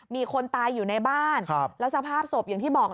มีคนตายอยู่ในบ้านแล้วสภาพศพอย่างที่บอก